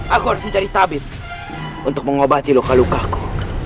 aku harus mencari tabit untuk mengobati luka lukaku